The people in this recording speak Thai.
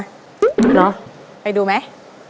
แล้ววันนี้ผมมีสิ่งหนึ่งนะครับเป็นตัวแทนกำลังใจจากผมเล็กน้อยครับ